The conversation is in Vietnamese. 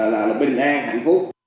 là bình an hạnh phúc